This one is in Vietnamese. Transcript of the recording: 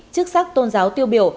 chức sắc tôn giáo tiêu biểu